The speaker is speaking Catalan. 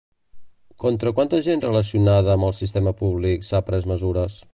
Contra quanta gent relacionada amb el sistema públic s'ha pres mesures?